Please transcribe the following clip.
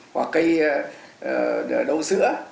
hoặc cây đậu sữa